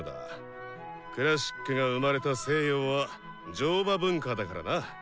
クラシックが生まれた西洋は乗馬文化だからな。